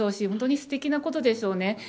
本当にすてきなことでしょうね。